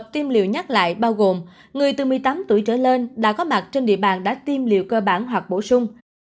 tiêm liều nhắc lại bao gồm người từ một mươi tám tuổi trở lên đã có mặt trên địa bàn đã tiêm liều cơ bản hoặc bổ sung